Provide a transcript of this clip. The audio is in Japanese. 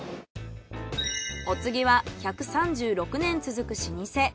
お次は１３６年続く老舗。